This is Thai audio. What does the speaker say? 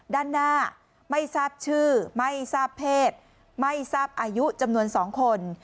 ด้านหน้าไม่ทราบชื่อไม่ทราบเพศไม่ทราบอายุจำนวน๒คน